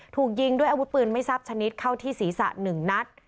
ถูกยิงด้วยอาวุธปืนไม่ทราบชนิดเข้าที่ศีรษะ๑นัด